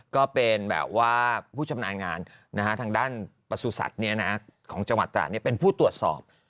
ก็เป็นแบบว่าผู้ชำนาญงานทางด้านประสุทธิ์ของจังหวัดตราดเป็นผู้ตรวจสอบ